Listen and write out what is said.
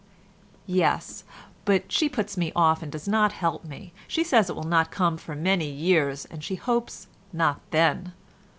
"Yes, but she puts me off and does not help me: she says it will not come for many years, and she hopes not then."